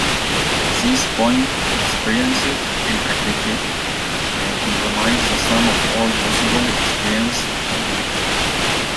These point-experiences in aggregate comprise the sum of all possible experience, Nuith.